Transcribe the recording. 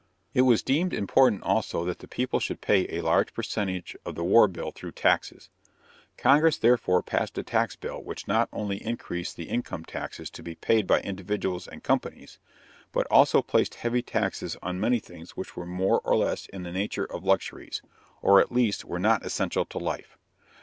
It was deemed important also that the people should pay a large percentage of the war bill through taxes. Congress therefore passed a tax bill which not only increased the income taxes to be paid by individuals and companies, but also placed heavy taxes on many things which were more or less in the nature of luxuries, or at least were not essential to life.